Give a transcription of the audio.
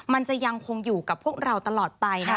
มันจะยังคงอยู่กับพวกเราตลอดไปนะคะ